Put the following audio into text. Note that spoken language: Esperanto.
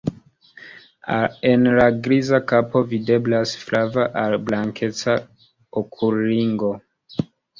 En la griza kapo videblas flava al blankeca okulringo.